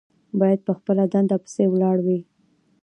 باید په خپله دنده پسې ولاړ وي.